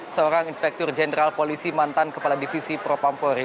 seorang inspektur jenderal polisi mantan kepala divisi propa pori